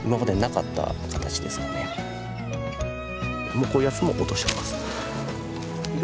もうこういうやつも落としちゃいます。